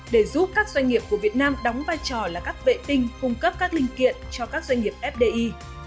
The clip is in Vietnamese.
để giúp các doanh nghiệp của việt nam đóng vai trò là các vệ tinh cung cấp các linh kiện cho các doanh nghiệp fdi